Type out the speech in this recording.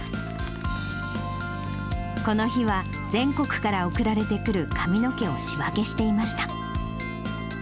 この日は、全国から送られてくる髪の毛を仕分けしていました。